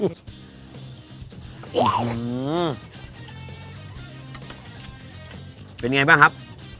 อื้อเป็นไงบ้างครับ